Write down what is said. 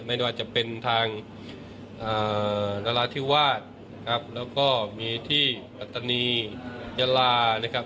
ไม่ว่าจะเป็นทางนราธิวาสนะครับแล้วก็มีที่ปัตตานียาลานะครับ